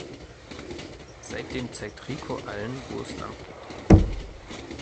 Seitdem zeigt Rico allen, wo es langgeht.